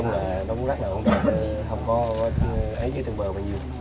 nó cũng rất là ổn định không có cái dưới trường bờ bằng nhiều